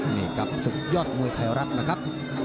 นี่กับศึกยอดมวยไทยรัฐนะครับ